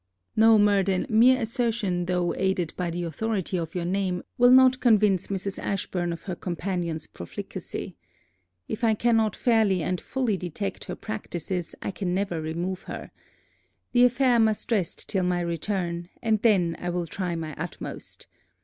No, Murden, mere assertion though aided by the authority of your name, will not convince Mrs. Ashburn of her companion's proflicacy. If I cannot fairly and fully detect her practices, I can never remove her. The affair must rest till my return; and then I will try my utmost.